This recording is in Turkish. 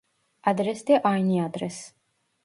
Adres de aynı adres